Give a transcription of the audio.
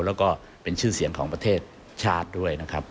แล้วก็เป็นชื่อเสียงของประเทศชาติด้วยนะครับ